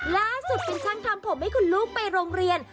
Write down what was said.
ล่าสุดเป็นช่างทำผมให้คุณลูกไปโรงเรียน